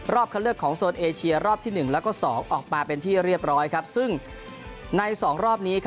รอบคณะเลือกของโจรสเอเชียรอบที่๑และ๒ออกมาเป็นที่เรียบร้อยซึ่งนายถ้ารอบนี้